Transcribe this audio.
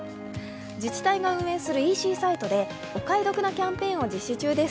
自治体が運営するＥＣサイトでお買い得なキャンペーンを開催中です。